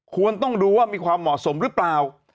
ควรต้องดูว่ามีความเหมาะสมหรือเปล่า